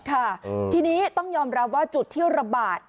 ค่ะทีนี้ต้องยอมรับว่าจุดที่ระบาด